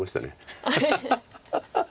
ハハハハ。